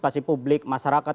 partisi publik masyarakat